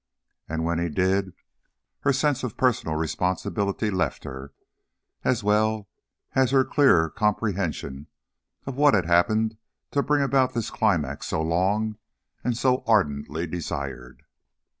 And when he did her sense of personal responsibility left her, as well as her clearer comprehension of what had happened to bring about this climax so long and so ardently desired.